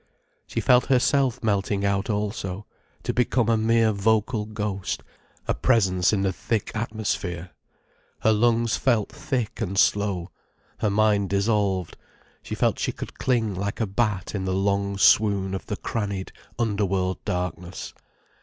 She felt herself melting out also, to become a mere vocal ghost, a presence in the thick atmosphere. Her lungs felt thick and slow, her mind dissolved, she felt she could cling like a bat in the long swoon of the crannied, underworld darkness.